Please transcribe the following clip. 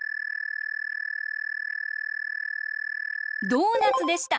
ドーナツでした！